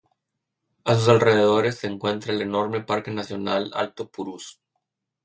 A sus alrededores se encuentra el enorme Parque Nacional Alto Purús.